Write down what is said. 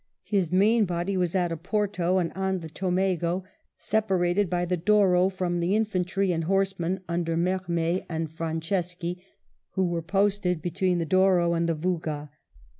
His main body was at Oporto and on the VI MARCHES ON OPORTO in Tamego, separated by the Douro from the infantry and horsemen under Mermet and Franceschi, who were posted between the Douro and the Vouga.